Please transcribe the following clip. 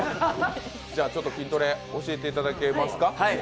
じゃ、ちょっと筋トレ、教えていただけますか。